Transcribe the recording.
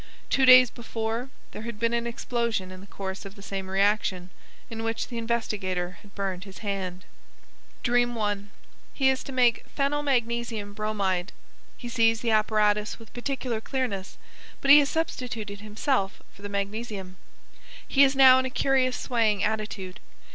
Two days before, there had been an explosion in the course of the same reaction, in which the investigator had burned his hand. Dream I. _He is to make phenylmagnesium bromid; he sees the apparatus with particular clearness, but he has substituted himself for the magnesium. He is now in a curious swaying attitude.